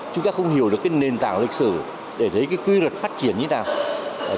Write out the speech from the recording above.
chúng ta không hiểu được cái nền tảng lịch sử để thấy cái quy luật phát triển như thế nào